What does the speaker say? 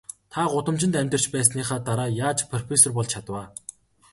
Та гудамжинд амьдарч байсныхаа дараа яаж профессор болж чадав аа?